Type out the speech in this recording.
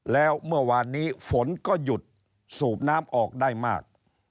แล้วเมื่อวานนี้ฝนก็หยุดสูบน้ำออกได้มาก